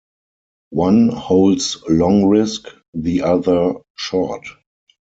One holds long risk, the other short.